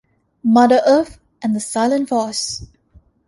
"Mother Earth" and "The Silent Force".